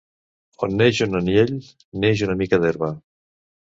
On neix un anyell neix una mica d'herba.